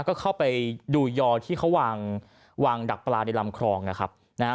ก็เข้าไปดูยอที่เขาวางวางดักปลาในลำคลองนะครับนะฮะ